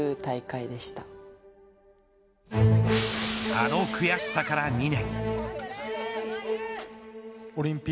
あの悔しさから２年。